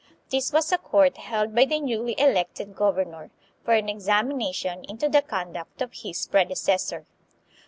This was a court held by the newly elected governor, for an examination into the conduct of his predecessor.